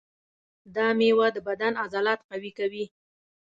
دا مېوه د بدن عضلات قوي کوي.